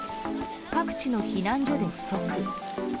各地の避難所で不足。